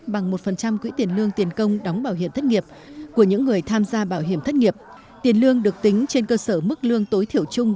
bằng hai mươi tháng mức lương tối thiểu chung